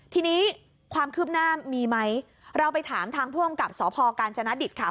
ทีนี้ความคืบหน้ามีมั้ยเราไปถามทางพร่มกับสพการชนะดิดขนาด